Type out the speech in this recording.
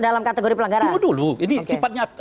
dalam kategori pelanggaran oh dulu ini sifatnya